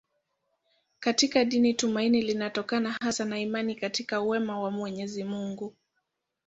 Katika dini tumaini linatokana hasa na imani katika wema wa Mwenyezi Mungu.